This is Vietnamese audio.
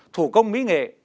thủ công mỹ nghề